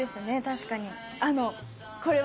確かに。